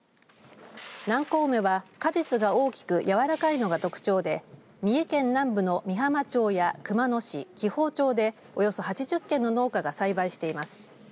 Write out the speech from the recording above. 南高梅は、果実が大きく軟らかいのが特徴で三重県南部の御浜町や熊野市紀宝町でおよそ８０軒の農家が栽培しています。